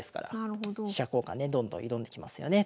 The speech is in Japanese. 交換ねどんどん挑んできますよね